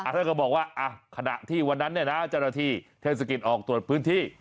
ท่านก็บอกว่าขณะที่วันนั้นเนี่ยนะเจ้าหน้าที่เทศกิจออกตรวจพื้นที่